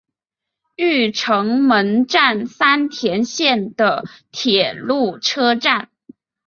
御成门站三田线的铁路车站。